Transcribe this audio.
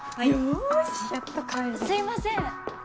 ・すいません